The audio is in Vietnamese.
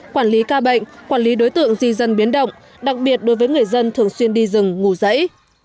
quản lý ca bệnh quản lý đối tượng di dân biến động đặc biệt đối với người dân thường xuyên đi rừng ngủ dậy